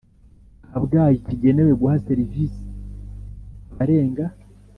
Kabgayi kigenewe guha serivisi abarenga